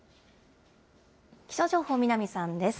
気象情報、南さんです。